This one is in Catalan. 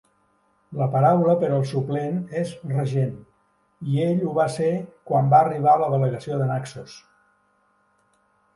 La paraula per al suplent és regent, i ell ho va ser quan va arribar la delegació de Naxos.